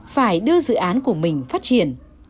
phải đưa dự án của mình phát triển